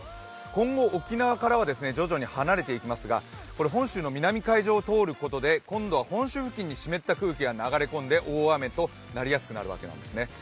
今後、沖縄からは徐々に離れていきますが本州の南海上を通ることで今度は本州付近に湿った空気が流れ込んで大雨となりやすくなるわけなんですね。